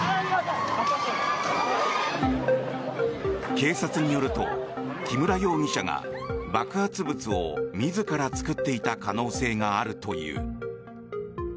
警察によると、木村容疑者が爆発物を自ら作っていた可能性があるという。